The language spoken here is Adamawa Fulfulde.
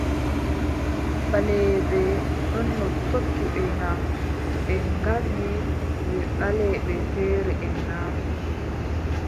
Ɓaleeɓe ɗono tokki ɓe na, ɓe ngardi ɓe ɓaleeɓe feereʼen na ?